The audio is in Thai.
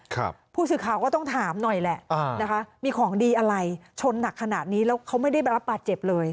ผู้สื่อข่าวก็ต้องถามหน่อยแหละอ่านะคะมีของดีอะไรชนหนักขนาดนี้แล้วเขาไม่ได้รับบาดเจ็บเลย